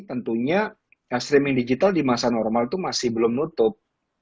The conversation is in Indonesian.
tentunya streaming digital di masa normal itu masih belum nutup